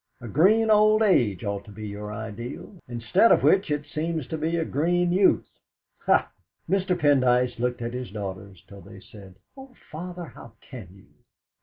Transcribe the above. A green old age ought to be your ideal, instead of which it seems to be a green youth. Ha!" Mr. Pendyce looked at his daughters till they said: "Oh, Father, how can you!"